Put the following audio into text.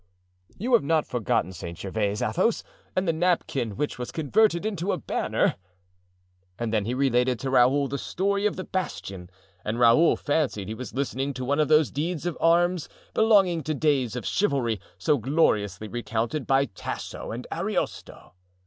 "You have not forgotten St. Gervais, Athos, and the napkin which was converted into a banner?" and he then related to Raoul the story of the bastion, and Raoul fancied he was listening to one of those deeds of arms belonging to days of chivalry, so gloriously recounted by Tasso and Ariosto.